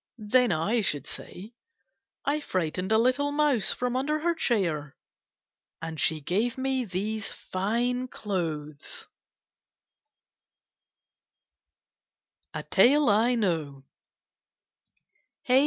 ' Then I should say :—* I frightened a little mouse From under her chair.' And she gave me these fine clothes. 46 KITTENS Am) CATS A TALE I KNOW Hey!